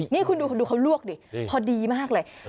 นี่คุณดูคุณดูเขาลวกดิพอดีมากเลย